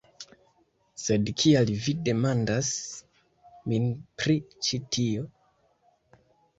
Sed kial vi demandas min pri ĉi tio?